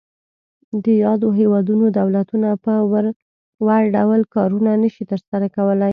د یادو هیوادونو دولتونه په وړ ډول کارونه نشي تر سره کولای.